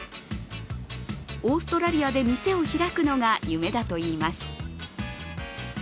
オーストラリアで店を開くのが夢だといいます